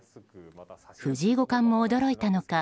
藤井五冠も驚いたのか